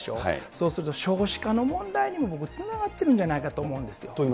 そうすると少子化の問題にも僕、つながってるんじゃないかと思うんですよ。